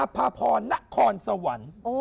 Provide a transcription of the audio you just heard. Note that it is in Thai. อภพรนะคอนสวรรค์